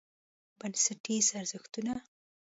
بنسټیز ارزښتونه: